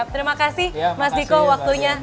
terima kasih mas diko waktunya